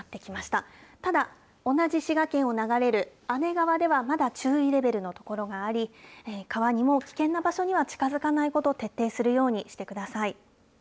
ただ、同じ滋賀県を流れる姉川ではまだ注意レベルの所があり、川にも危険な場所には近づかないこと、徹底するようにしてください。